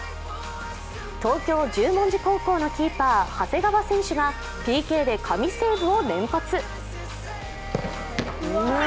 東京・十文字高校のキーパー長谷川選手がＰＫで神セーブを連発。